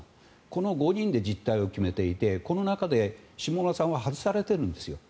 この５人で実態を決めていてこの中で、下村さんは外されているんですよ。